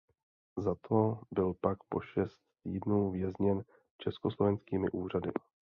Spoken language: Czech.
Za to byl pak po šest týdnů vězněn československými úřady.